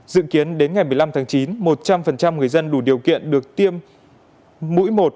dự kiến đến ngày một mươi năm tháng chín một trăm linh người dân đủ điều kiện được tiêm mũi một